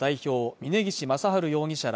峯岸正治容疑者ら